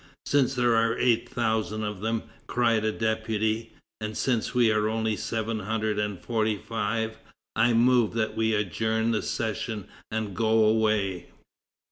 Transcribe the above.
"Since there are eight thousand of them," cried a deputy, "and since we are only seven hundred and forty five, I move that we adjourn the session and go away."